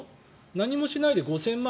何もしないで５０００万